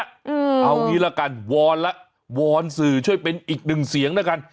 เอาอย่างนี้ละกันวอนละวอนสื่อช่วยเป็นอีกหนึ่งเสียงละกัน